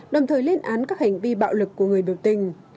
đồng thời lên án các hành vi bạo lực của người biểu tình